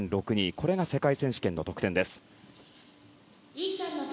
これが世界選手権の得点です。